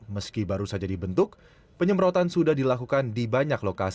meski baru saja dibentuk penyemprotan sudah dilakukan